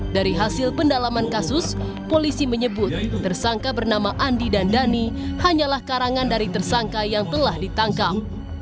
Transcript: dari hasil pendalaman kasus polisi menyebut tersangka bernama andi dan dhani hanyalah karangan dari tersangka yang telah ditangkap